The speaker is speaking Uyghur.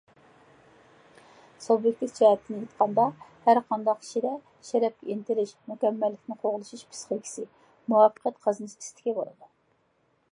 سۇبيېكتىپ جەھەتتىن ئېيتقاندا، ھەرقانداق كىشىدە شەرەپكە ئىنتىلىش، مۇكەممەللىكنى قوغلىشىش پىسخىكىسى، مۇۋەپپەقىيەت قازىنىش ئىستىكى بولىدۇ.